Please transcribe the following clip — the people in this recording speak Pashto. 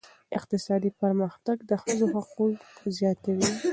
اقتصادي پرمختګ د ښځو حقوق زیاتوي.